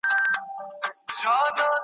ځکه د علامه حبیبي دفاع